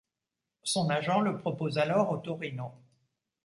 Son agent le propose alors au Torino.